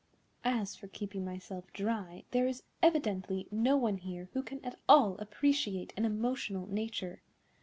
As for keeping myself dry, there is evidently no one here who can at all appreciate an emotional nature.